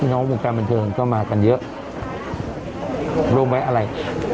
น้องวงการบันเทิงก็มากันเยอะร่วมไว้อะไร